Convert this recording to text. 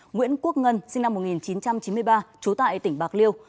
nguyễn quốc ngân sinh năm một nghìn chín trăm chín mươi ba trú tại tỉnh bạc liêu